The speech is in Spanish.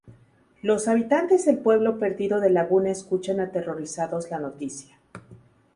Los habitantes del pueblo perdido de Laguna escuchan aterrorizados la noticia.